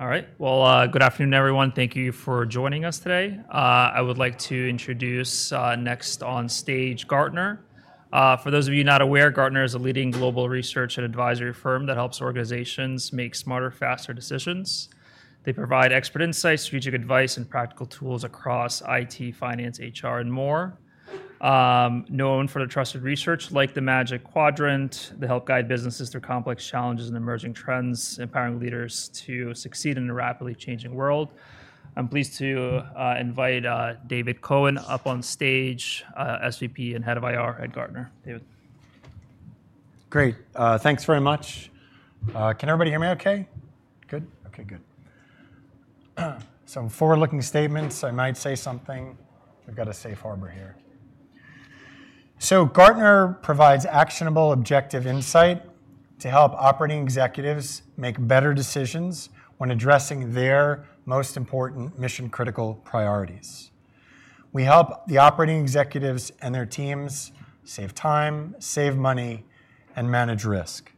All right. Good afternoon, everyone. Thank you for joining us today. I would like to introduce next on stage Gartner. For those of you not aware, Gartner is a leading global research and advisory firm that helps organizations make smarter, faster decisions. They provide expert insights, strategic advice, and practical tools across IT, Finance, HR, and more. Known for their trusted research, like the Magic Quadrant, they help guide businesses through complex challenges and emerging trends, empowering leaders to succeed in a rapidly changing world. I'm pleased to invite David Cohen up on stage, SVP and Head of IR at Gartner. David. Great. Thanks very much. Can everybody hear me OK? Good? OK, good. Some forward-looking statements. I might say something. We've got a safe harbor here. So Gartner provides actionable, objective insight to help operating executives make better decisions when addressing their most important mission-critical priorities. We help the operating executives and their teams save time, save money, and manage risk.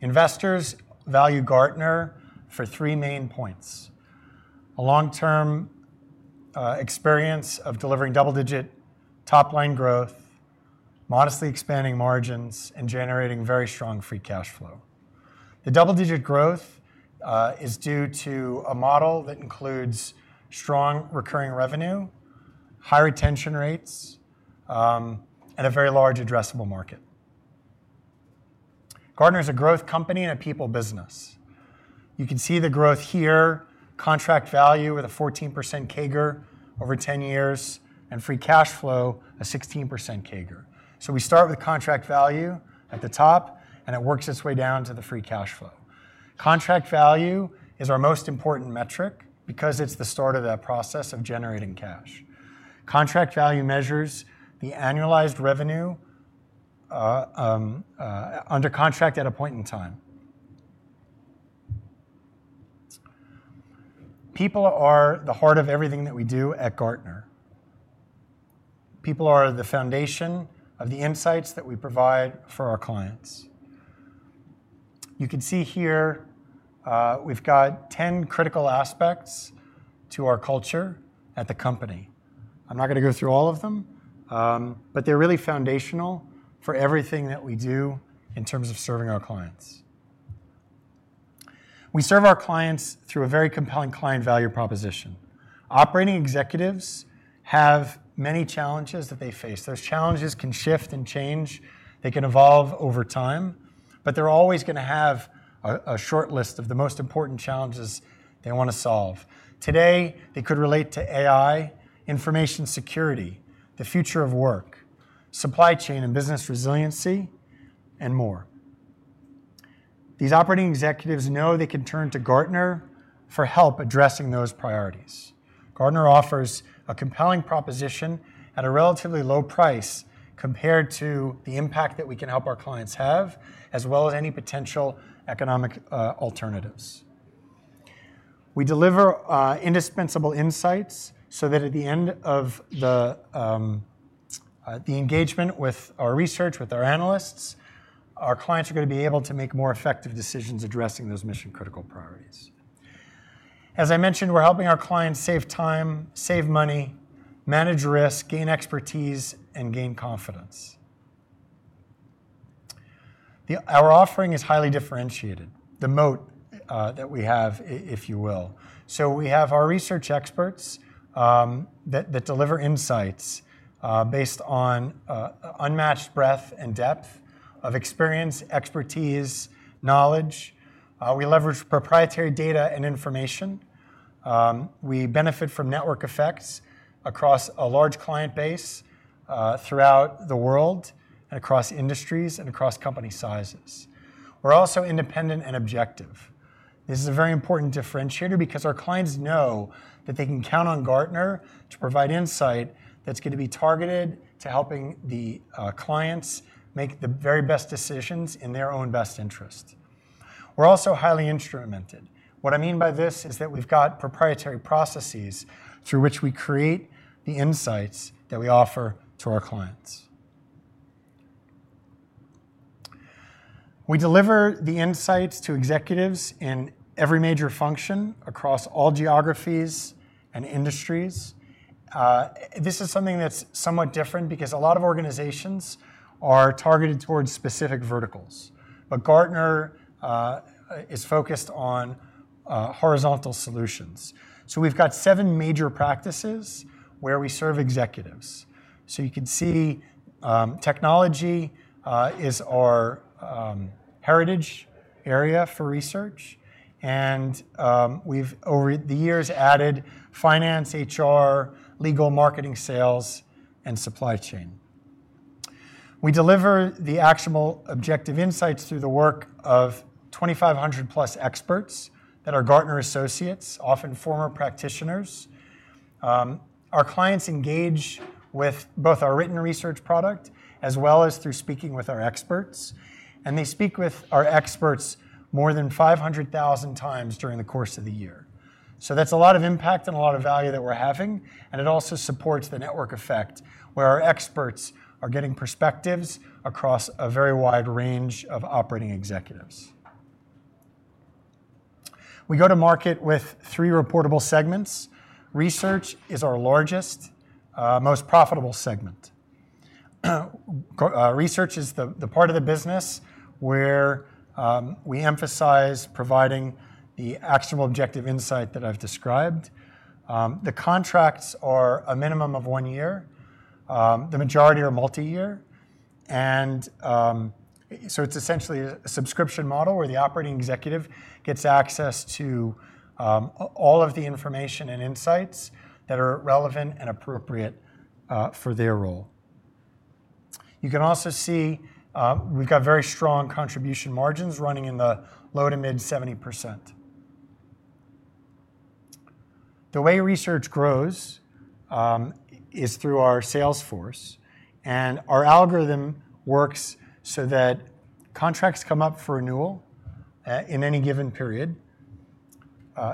Investors value Gartner for three main points: a long-term experience of delivering double-digit top-line growth, modestly expanding margins, and generating very strong free cash flow. The double-digit growth is due to a model that includes strong recurring revenue, high retention rates, and a very large addressable market. Gartner is a growth company and a people business. You can see the growth here: contract value with a 14% CAGR over 10 years and free cash flow a 16% CAGR. We start with contract value at the top, and it works its way down to the free cash flow. Contract value is our most important metric because it's the start of that process of generating cash. Contract value measures the annualized revenue under contract at a point in time. People are the heart of everything that we do at Gartner. People are the foundation of the insights that we provide for our clients. You can see here we've got 10 critical aspects to our culture at the company. I'm not going to go through all of them, but they're really foundational for everything that we do in terms of serving our clients. We serve our clients through a very compelling client value proposition. Operating executives have many challenges that they face. Those challenges can shift and change. They can evolve over time. They're always going to have a short list of the most important challenges they want to solve. Today, they could relate to AI, information security, the future of work, supply chain and business resiliency, and more. These operating executives know they can turn to Gartner for help addressing those priorities. Gartner offers a compelling proposition at a relatively low price compared to the impact that we can help our clients have, as well as any potential economic alternatives. We deliver indispensable insights so that at the end of the engagement with our research, with our analysts, our clients are going to be able to make more effective decisions addressing those mission-critical priorities. As I mentioned, we're helping our clients save time, save money, manage risk, gain expertise, and gain confidence. Our offering is highly differentiated, the moat that we have, if you will. We have our research experts that deliver insights based on unmatched breadth and depth of experience, expertise, knowledge. We leverage proprietary data and information. We benefit from network effects across a large client base throughout the world and across industries and across company sizes. We're also independent and objective. This is a very important differentiator because our clients know that they can count on Gartner to provide insight that's going to be targeted to helping the clients make the very best decisions in their own best interest. We're also highly instrumented. What I mean by this is that we've got proprietary processes through which we create the insights that we offer to our clients. We deliver the insights to executives in every major function across all geographies and industries. This is something that's somewhat different because a lot of organizations are targeted towards specific verticals. Gartner is focused on horizontal solutions. We have 7 major practices where we serve Executives. You can see technology is our heritage area for research. We have, over the years, added finance, HR, legal, marketing, sales, and supply chain. We deliver the actual objective insights through the work of 2,500-plus experts that are Gartner associates, often former practitioners. Our clients engage with both our written research product as well as through speaking with our experts. They speak with our experts more than 500,000 times during the course of the year. That is a lot of impact and a lot of value that we are having. It also supports the network effect where our experts are getting perspectives across a very wide range of operating executives. We go to market with three reportable segments. Research is our largest, most profitable segment. Research is the part of the business where we emphasize providing the actual objective insight that I've described. The contracts are a minimum of 1 year. The majority are multi-year. It is essentially a subscription model where the operating executive gets access to all of the information and insights that are relevant and appropriate for their role. You can also see we've got very strong contribution margins running in the low to mid 70%. The way research grows is through our sales force. Our algorithm works so that contracts come up for renewal in any given period.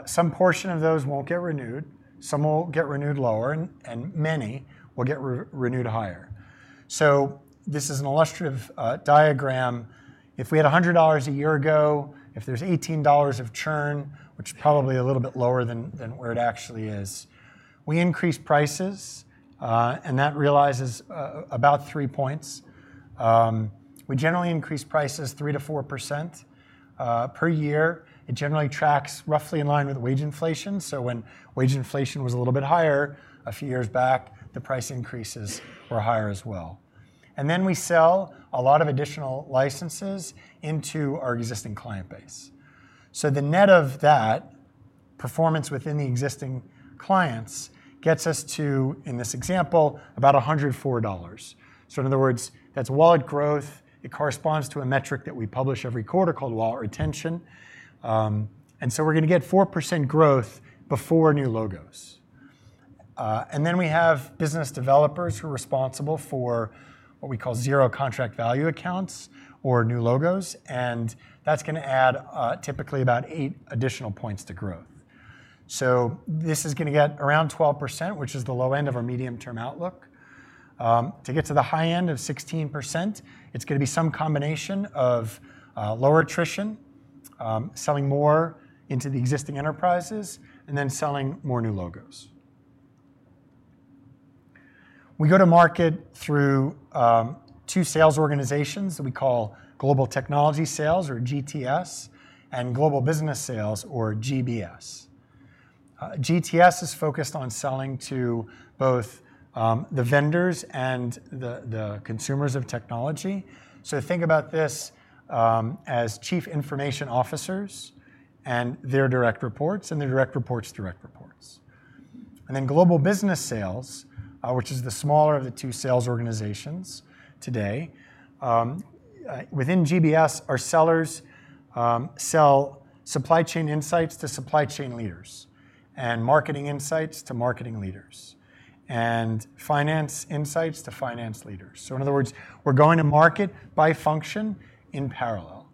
Some portion of those won't get renewed. Some will get renewed lower, and many will get renewed higher. This is an illustrative diagram. If we had $100 a year ago, if there's $18 of churn, which is probably a little bit lower than where it actually is, we increase prices. That realizes about three percentage points. We generally increase prices 3%-4% per year. It generally tracks roughly in line with wage inflation. When wage inflation was a little bit higher a few years back, the price increases were higher as well. We sell a lot of additional licenses into our existing client base. The net of that performance within the existing clients gets us to, in this example, about $104. In other words, that is wallet growth. It corresponds to a metric that we publish every quarter called wallet retention. We are going to get 4% growth before new logos. We have business developers who are responsible for what we call zero contract value accounts or new logos. That is going to add typically about eight additional percentage points to growth. This is going to get around 12%, which is the low end of our medium-term outlook. To get to the high end of 16%, it is going to be some combination of lower attrition, selling more into the existing enterprises, and then selling more new logos. We go to market through 2 sales organizations that we call Global Technology Sales, or GTS, and Global Business Sales, or GBS. GTS is focused on selling to both the vendors and the consumers of technology. Think about this as Chief Information Officers and their direct reports and their direct reports' direct reports. Global Business Sales, which is the smaller of the 2 sales organizations today, within GBS, our sellers sell supply chain insights to supply chain leaders and marketing insights to marketing leaders and finance insights to finance leaders. In other words, we're going to market by function in parallel.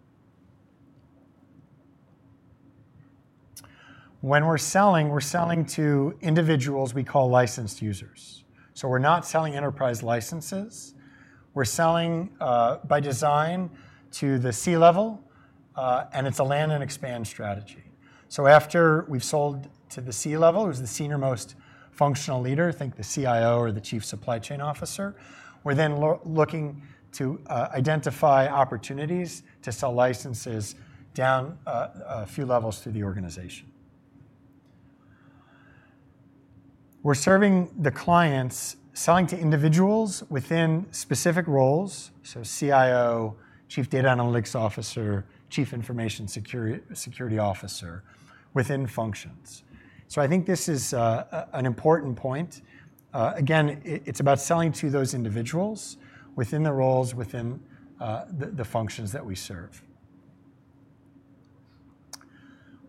When we're selling, we're selling to individuals we call licensed users. We're not selling enterprise licenses. We're selling by design to the C level. It's a land and expand strategy. After we've sold to the C level, who's the senior most functional leader, I think the CIO or the chief supply chain officer, we're then looking to identify opportunities to sell licenses down a few levels through the organization. We're serving the clients selling to individuals within specific roles, so CIO, Chief Data Analytics Officer, Chief Information Security Officer within functions. I think this is an important point. Again, it's about selling to those individuals within the roles, within the functions that we serve.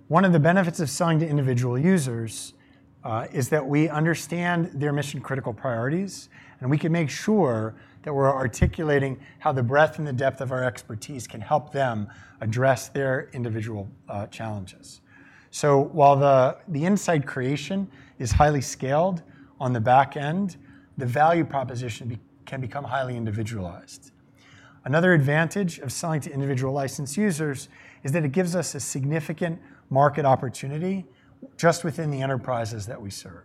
One of the benefits of selling to individual users is that we understand their mission-critical priorities. We can make sure that we're articulating how the breadth and the depth of our expertise can help them address their individual challenges. While the insight creation is highly scaled on the back end, the value proposition can become highly individualized. Another advantage of selling to individual licensed users is that it gives us a significant market opportunity just within the enterprises that we serve.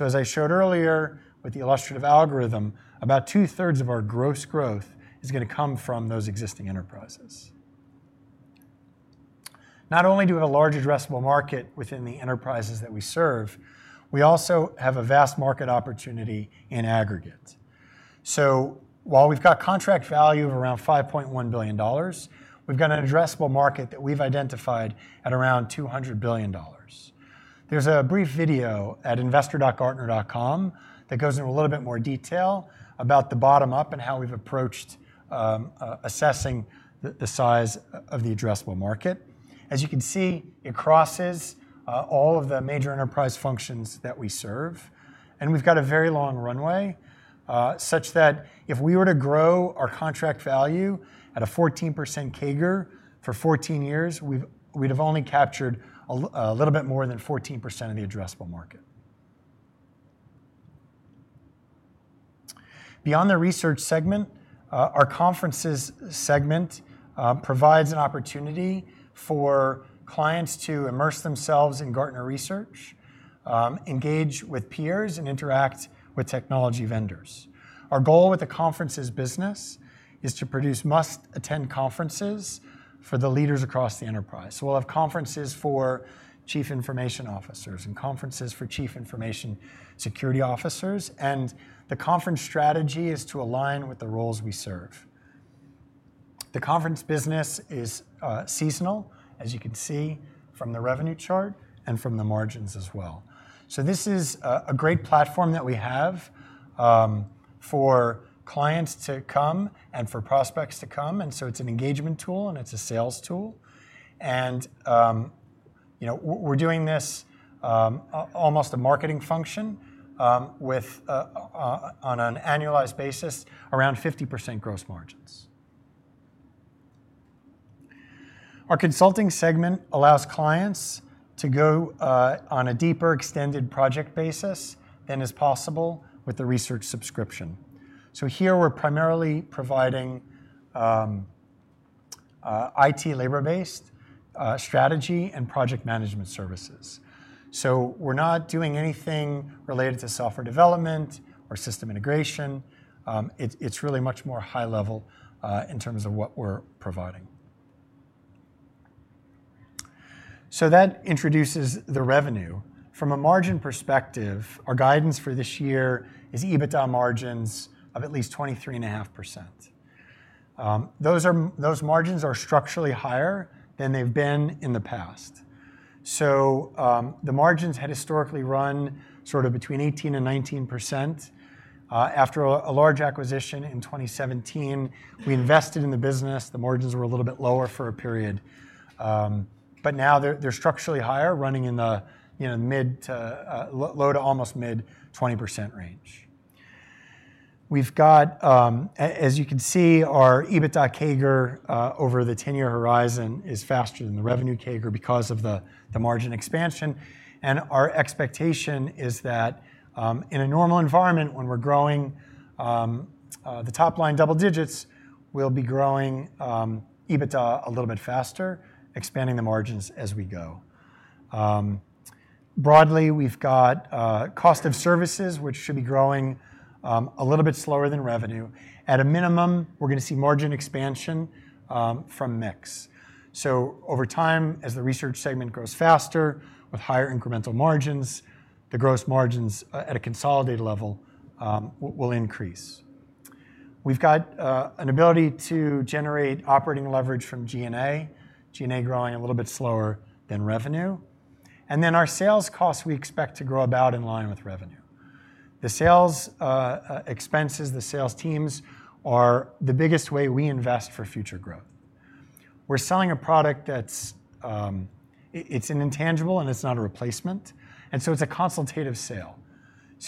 As I showed earlier with the illustrative algorithm, about two-thirds of our gross growth is going to come from those existing enterprises. Not only do we have a large addressable market within the enterprises that we serve, we also have a vast market opportunity in aggregate. While we've got contract value of around $5.1 billion, we've got an addressable market that we've identified at around $200 billion. There's a brief video at investor.gartner.com that goes into a little bit more detail about the bottom-up and how we've approached assessing the size of the addressable market. As you can see, it crosses all of the major enterprise functions that we serve. We've got a very long runway such that if we were to grow our contract value at a 14% CAGR for 14 years, we'd have only captured a little bit more than 14% of the addressable market. Beyond the research segment, our conferences segment provides an opportunity for clients to immerse themselves in Gartner research, engage with peers, and interact with technology vendors. Our goal with the conferences business is to produce must-attend conferences for the leaders across the enterprise. We'll have conferences for Chief Information Officers and conferences for Chief Information Security Officers. The conference strategy is to align with the roles we serve. The conference business is seasonal, as you can see from the revenue chart and from the margins as well. This is a great platform that we have for clients to come and for prospects to come. It is an engagement tool, and it is a sales tool. we are doing this almost as a marketing function on annualized basis, around it labor-based strategy and project management services. we are not doing anything related to software development or system integration. it is really much more high level in terms of what we are providing. that introduces the revenue. From a margin perspective, our guidance for this year is EBITDA margins of at least 23.5%. Those margins are structurally higher than they've been in the past. The margins had historically run sort of between 18% and 19%. After a large acquisition in 2017, we invested in the business. The margins were a little bit lower for a period. Now they're structurally higher, running in the mid to low to almost mid 20% range. We've got, as you can see, our EBITDA CAGR over the 10-year horizon is faster than the revenue CAGR because of the margin expansion. Our expectation is that in a normal environment, when we're growing the top line double digits, we'll be growing EBITDA a little bit faster, expanding the margins as we go. Broadly, we've got cost of services, which should be growing a little bit slower than revenue. At a minimum, we're going to see margin expansion from mix. Over time, as the Research segment grows faster with higher incremental margins, the gross margins at a consolidated level will increase. We've got an ability to generate operating leverage from G&A, G&A growing a little bit slower than revenue. Our sales costs, we expect to grow about in line with revenue. The sales expenses, the Sales Teams are the biggest way we invest for future growth. We're selling a product that's intangible, and it's not a replacement. It's a consultative sale.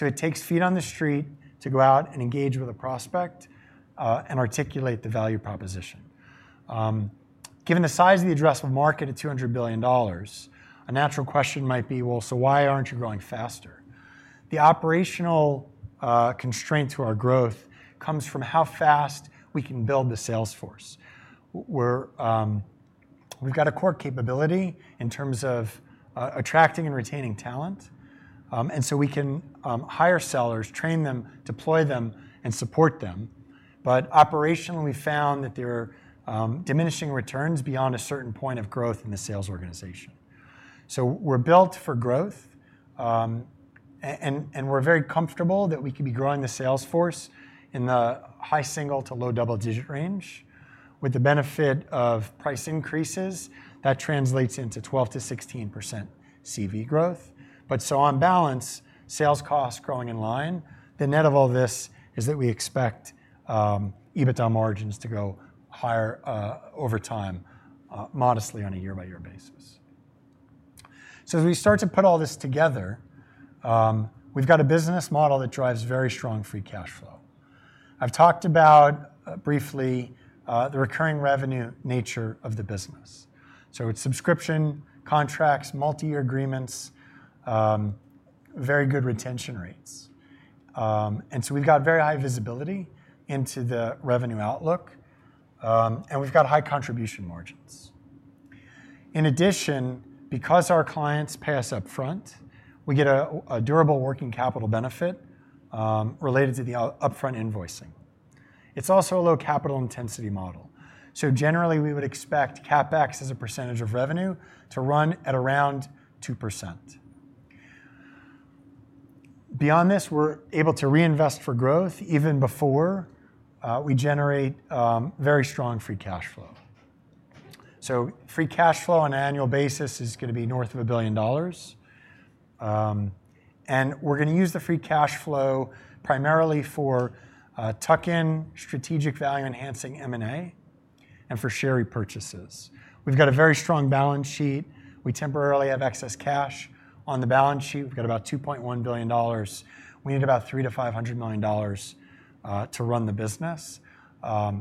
It takes feet on the street to go out and engage with a prospect and articulate the value proposition. Given the size of the addressable market at $200 billion, a natural question might be, why aren't you growing faster? The operational constraint to our growth comes from how fast we can build the sales force. We've got a core capability in terms of attracting and retaining talent. And so we can hire Sellers, train them, deploy them, and support them. But operationally, we found that there are diminishing returns beyond a certain point of growth in the Sales Organization. We're built for growth. We're very comfortable that we can be growing the sales force in the high single to low double-digit range with the benefit of price increases that translates into 12%-16% CV growth. On balance, sales costs growing in line, the net of all this is that we expect EBITDA margins to go higher over time, modestly on a year-by-year basis. As we start to put all this together, we've got a business model that drives very strong free cash flow. I've talked about briefly the recurring revenue nature of the business. So it's subscription, contracts, multi-year agreements, very good retention rates. And so we've got very high visibility into the revenue outlook. And we've got high contribution margins. In addition, because our clients pay us upfront, we get a durable working capital benefit related to the upfront invoicing. It's also a low capital intensity model. So generally, we would expect CapEx as a percentage of revenue to run at around 2%. Beyond this, we're able to reinvest for growth even before we generate very strong free cash flow. So free cash flow on an annual basis is going to be north of $1 billion. And we're going to use the free cash flow primarily for tuck-in strategic value-enhancing M&A and for share repurchases. We've got a very strong balance sheet. We temporarily have excess cash. On the balance sheet, we've got about $2.1 billion. We need about $300-$500 million to run the business. Our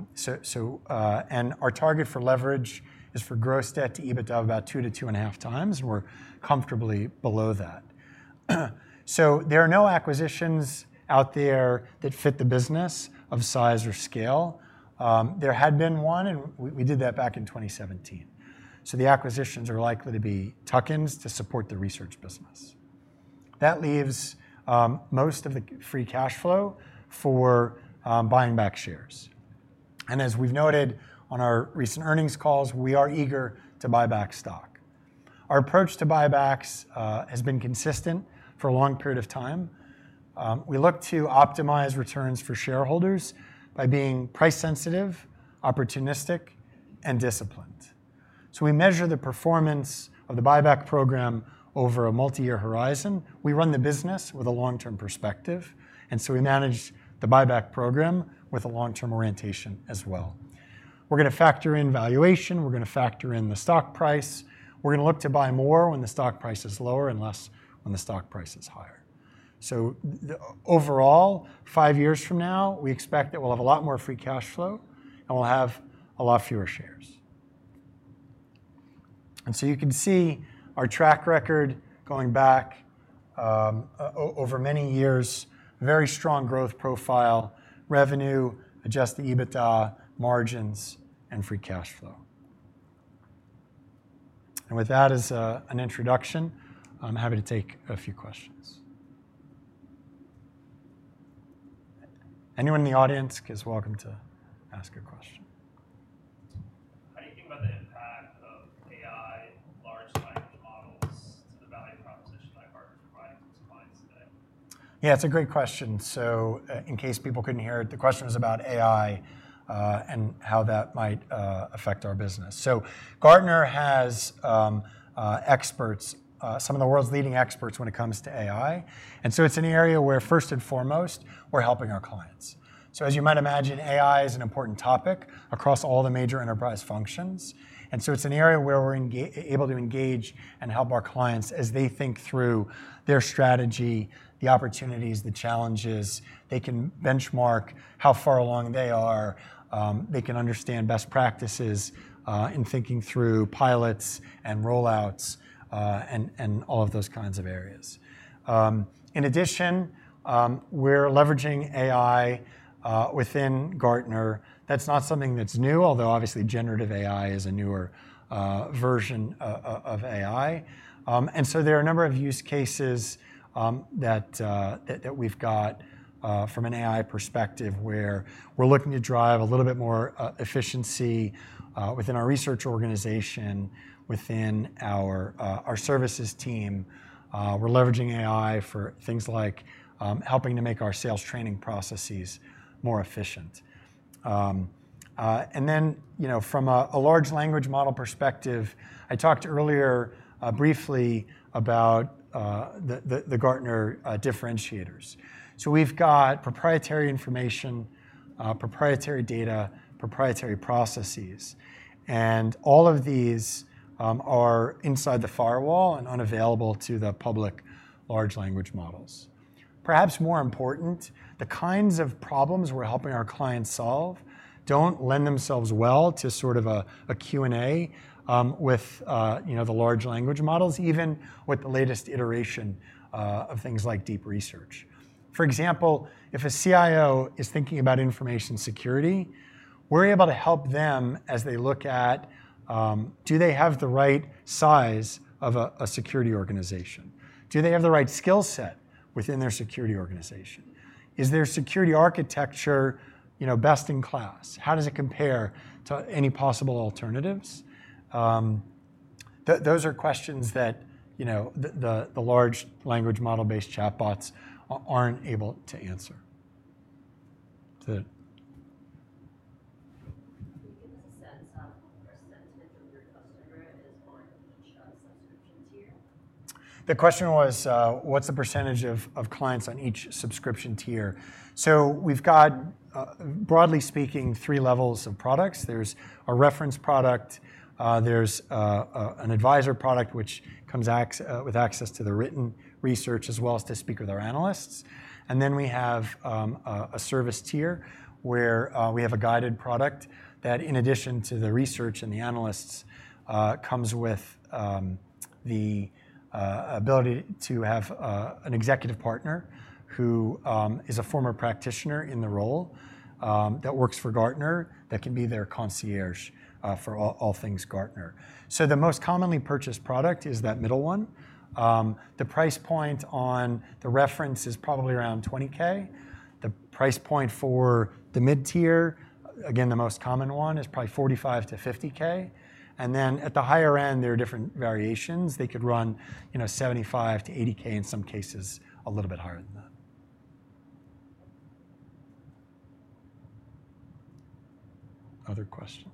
target for leverage is for gross debt to EBITDA of about 2%-2.5 times. We're comfortably below that. There are no acquisitions out there that fit the business of size or scale. There had been one, and we did that back in 2017. The acquisitions are likely to be tuck-ins to support the research business. That leaves most of the free cash flow for buying back shares. As we've noted on our recent earnings calls, we are eager to buy back stock. Our approach to buybacks has been consistent for a long period of time. We look to optimize returns for shareholders by being price-sensitive, opportunistic, and disciplined. We measure the performance of the Buyback program over a multi-year horizon. We run the business with a long-term perspective. We manage the buyback program with a long-term orientation as well. We're going to factor in valuation. We're going to factor in the stock price. We're going to look to buy more when the stock price is lower and less when the stock price is higher. Overall, five years from now, we expect that we'll have a lot more free cash flow, and we'll have a lot fewer shares. You can see our track record going back over many years, very strong growth profile, revenue, adjusted EBITDA, margins, and free cash flow. With that as an introduction, I'm happy to take a few questions. Anyone in the audience is welcome to ask a question. How do you think about the impact of AI, large language models to the value proposition that Gartner is providing to its clients today? Yeah, it's a great question. In case people couldn't hear it, the question was about AI and how that might affect our business. Gartner has experts, some of the world's leading experts when it comes to AI. It's an area where, first and foremost, we're helping our clients. As you might imagine, AI is an important topic across all the major enterprise functions. It's an area where we're able to engage and help our clients as they think through their strategy, the opportunities, the challenges. They can benchmark how far along they are. They can understand best practices in thinking through pilots and rollouts and all of those kinds of areas. In addition, we're leveraging AI within Gartner. That's not something that's new, although obviously Generative AI is a newer version of AI. There are a number of use cases that we've got from an AI perspective where we're looking to drive a little bit more efficiency within our Research Organization, within our Services Team. We're leveraging AI for things like helping to make our Sales Training Processes more efficient. From a large language model perspective, I talked earlier briefly about the Gartner differentiators. We've got proprietary information, proprietary data, proprietary processes. All of these are inside the firewall and unavailable to the public large language models. Perhaps more important, the kinds of problems we're helping our clients solve don't lend themselves well to sort of a Q&A with the large language models, even with the latest iteration of things like deep research. For example, if a CIO is thinking about information security, we're able to help them as they look at, do they have the right size of a security organization? Do they have the right skill set within their security organization? Is their security architecture best in class? How does it compare to any possible alternatives? Those are questions that the large Language Model-based Chatbots aren't able to answer. Can you give us a sense of the percentage of your customers on each subscription tier? The question was, what's the percentage of clients on each subscription tier? We've got, broadly speaking, 3 levels of products. There's a Reference Product. There's an Advisor Product, which comes with access to the written research as well as to speak with our analysts. We have a Service Tier where we have a guided product that, in addition to the research and the analysts, comes with the ability to have an executive partner who is a former practitioner in the role that works for Gartner that can be their concierge for all things Gartner. The most commonly purchased product is that middle one. The price point on the reference is probably around $20,000. The price point for the mid-tier, again, the most common one, is probably $45,000-$50,000. At the higher end, there are different variations. They could run $75,000-$80,000 in some cases, a little bit higher than that. Other questions?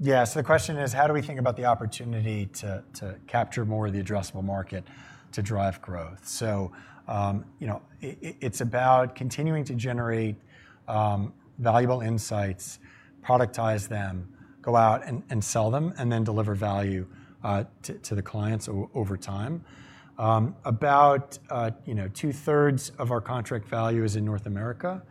As you think about the total addressable market, there is still a sizable penetration opportunity. How do you think about the key drivers for growth? Obviously, you mentioned the sales force and their ability to sell. What are the core drivers beyond that? Is it functional? Is it domestic, international? How do you think about the opportunity to grow further? Yeah. So the question is, how do we think about the opportunity to capture more of the addressable market to drive growth? It's about continuing to generate valuable insights, productize them, go out and sell them, and then deliver value to the clients over time. About two-thirds of our contract value is in North America.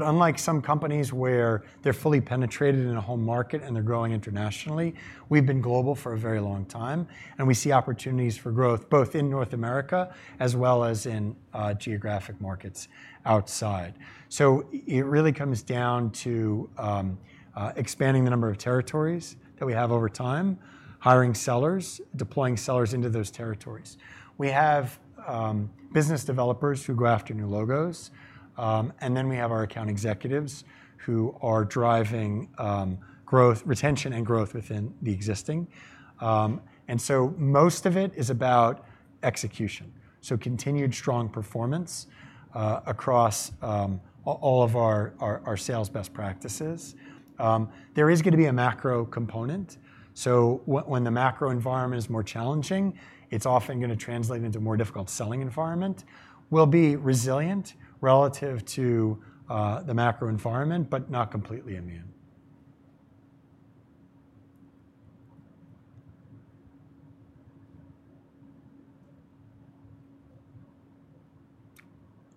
Unlike some companies where they're fully penetrated in a whole market and they're growing internationally, we've been global for a very long time. We see opportunities for growth both in North America as well as in geographic markets outside. It really comes down to expanding the number of territories that we have over time, hiring sellers, deploying sellers into those territories. We have business developers who go after new logos. We have our account executives who are driving retention and growth within the existing. Most of it is about execution, so continued strong performance across all of our sales best practices. There is going to be a macro component. When the macro environment is more challenging, it's often going to translate into a more difficult selling environment. We'll be resilient relative to the macro environment, but not completely immune.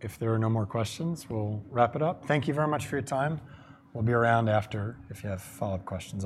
If there are no more questions, we'll wrap it up. Thank you very much for your time. We'll be around after if you have follow-up questions.